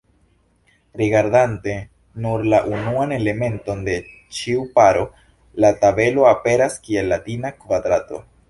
Rigardante nur la unuan elementon de ĉiu paro, la tabelo aperas kiel latina kvadrato.